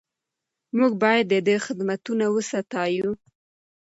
موږ باید د ده خدمتونه وستایو.